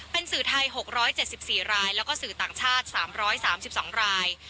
เป็นสื่อไทย๖๗๔รายแล้วก็สื่อต่างชาติ๓๓๒ราย